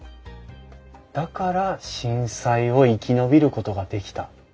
だから震災を生き延びることができた。